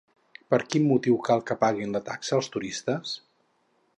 Per quin motiu cal que paguin la taxa els turistes?